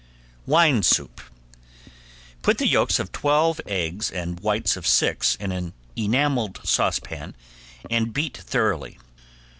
~WINE SOUP~ Put the yolks of twelve eggs and whites of six in an enameled saucepan and beat thoroughly.